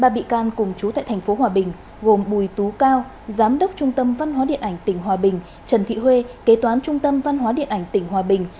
ba bị can cùng chú tại tp hòa bình gồm bùi tú cao giám đốc trung tâm văn hóa điện ảnh tỉnh hòa bình trần thị huê kế toán trung tâm văn hóa điện ảnh tỉnh hòa bình